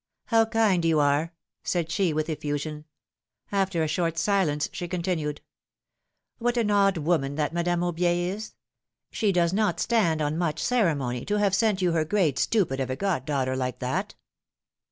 How kind you are ! said she, with effusion. After a short silence, she continued: ^^What an odd woman that Madame Aubier is! She does not stand on much ceremony, to have sent you her great stupid of a god daughter, like that